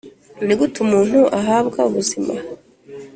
nigute umuntu abaho ubuzima